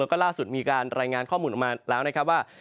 แล้วก็ล่าสุดมีการรายงานข้อมูลออกมาแล้วนะครับว่า